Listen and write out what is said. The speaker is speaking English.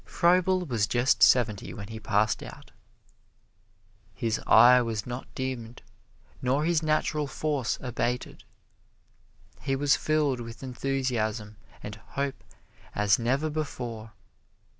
Froebel was just seventy when he passed out. "His eye was not dimmed nor his natural force abated" he was filled with enthusiasm and hope as never before.